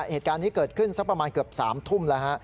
เหตุการณ์นี้เกิดขึ้นสักประมาณเกือบ๓ทุ่มแล้วฮะ